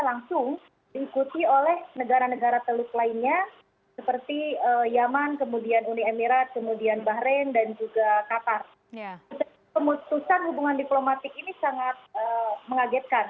tapi sebetulnya saya melihat bahwa hubungan diplomatik ini sangat mengagetkan